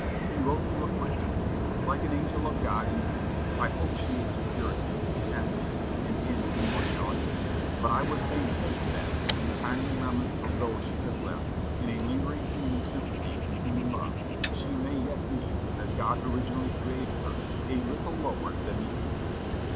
He wrote to a friend, "Like an angel of God, indeed. I hope she is in purity, in happiness, and in immortality; but I would fain hope that, in kind remembrance of those she has left, in a lingering human sympathy and human love, she may yet be, as God originally created her, a 'little lower than the angels.'